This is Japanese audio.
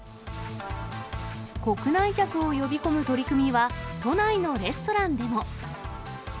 国内客を呼び込む取り組みは都内のレストランでも。